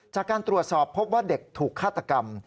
จากการตรวจสอบพบว่าเด็กถูกฆาตกรรม